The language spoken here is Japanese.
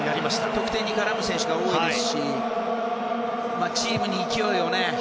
得点に絡む選手が多いですしチームに勢いをね。